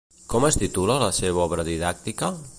Com es titula la seva obra didàctica?